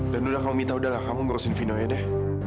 dan udah lah kamu minta udah lah kamu ngurusin vinonya deh